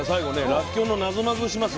らっきょうのなぞなぞします。